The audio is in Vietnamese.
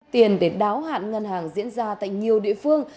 tiền để đáo hạn ngân hàng diễn ra tại nhiều địa phương